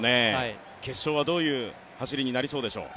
決勝はどういう走りになりそうでしょう。